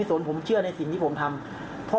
โอ้โฮ